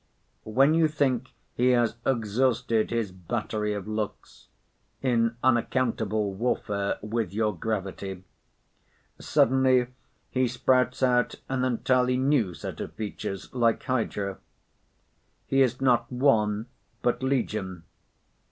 When you think he has exhausted his battery of looks, in unaccountable warfare with your gravity, suddenly he sprouts out an entirely new set of features, like Hydra. He is not one, but legion.